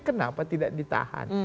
kenapa tidak ditahan